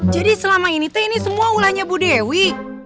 jadi selama ini teh ini semua ulahnya bu dewi